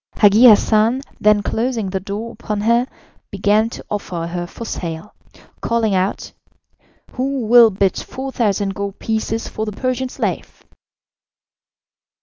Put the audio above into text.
Hagi Hassan, then closing the door upon her, began to offer her for sale calling out: "Who will bid 4,000 gold pieces for the Persian slave?"